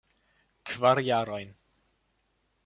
Kvar jarojn.